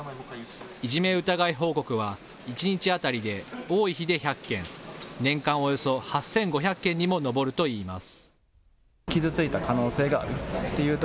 いじめ疑い報告は１日当たりで多い日で１００件、年間およそ８５００件にも上るといいます。